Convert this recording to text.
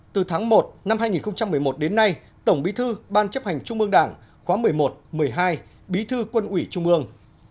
từ tháng một năm hai nghìn một mươi một đến nay tổng bí thư ban chấp hành trung ương đảng khóa một mươi một một mươi hai bí thư quân ủy trung ương